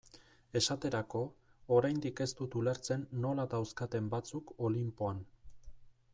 Esaterako, oraindik ez dut ulertzen nola dauzkaten batzuk Olinpoan.